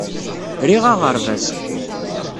Riɣ aɣerbaz.